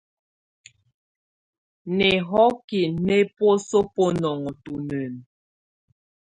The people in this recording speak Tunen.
Nihokiǝ nɛ̀ buǝ́suǝ́ bunɔnɔ tunǝn.